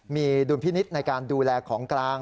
มีดุลพินิษฐ์ในการดูแลของกลาง